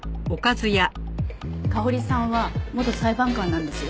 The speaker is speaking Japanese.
かほりさんは元裁判官なんですよ。